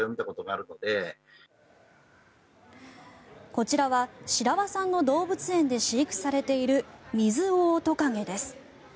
こちらは白輪さんの動物園で飼育されているミズオオトカゲです。